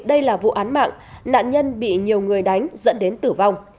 đây là vụ án mạng nạn nhân bị nhiều người đánh dẫn đến tử vong